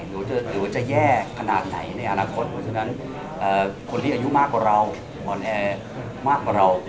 หรือว่าจะแย่ขนาดไหนในอนาคตเพราะฉะนั้นคนที่อายุมากกว่าเรา